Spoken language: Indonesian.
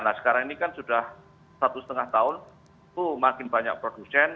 nah sekarang ini kan sudah satu setengah tahun itu makin banyak produsen